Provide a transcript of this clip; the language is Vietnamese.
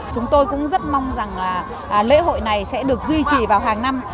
chúng tôi cũng rất mong rằng là lễ hội này sẽ được duy trì vào hàng năm